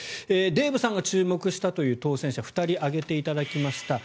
デーブさんが注目したという当選者を２人挙げていただきました。